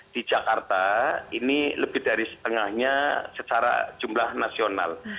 di jakarta ini lebih dari setengahnya secara jumlah nasional